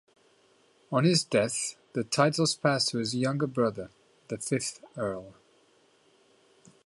On his death the titles passed to his younger brother, the fifth Earl.